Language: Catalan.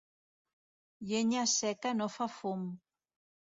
Llenya seca no fa fum.